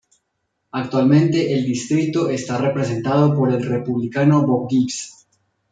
Actualmente el distrito está representado por el Republicano Bob Gibbs.